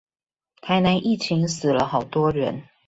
台南疫情死了好多人